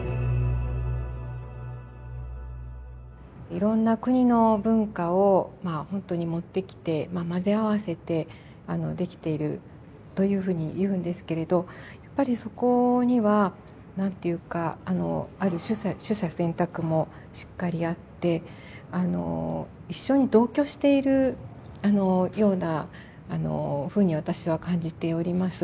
いろんな国の文化をまあほんとに持ってきて混ぜ合わせてできているというふうに言うんですけれどやっぱりそこには何て言うかある取捨選択もしっかりやってあの一緒に同居しているあのようなあのふうに私は感じております。